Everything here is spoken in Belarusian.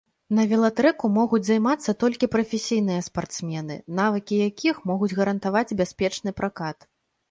На велатрэку могуць займацца толькі прафесійныя спартсмены, навыкі якіх могуць гарантаваць бяспечны пракат.